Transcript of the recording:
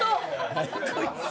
何こいつ！